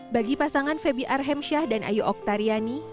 bagi pasangan feby arhemsyah dan ayu oktariani